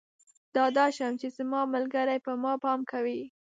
ډاډه شم چې زما ملګری پر ما پام کوي.